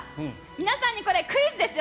皆さんにこれ、クイズですよ。